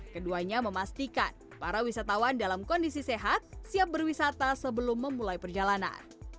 keduanya memastikan para wisatawan dalam kondisi sehat siap berwisata sebelum memulai perjalanan